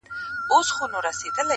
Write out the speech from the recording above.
هغه له منځه ولاړ سي.